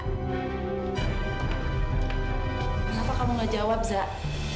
kenapa kamu gak jawab zak